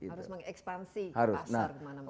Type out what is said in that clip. harus mengekspansi pasar kemana mana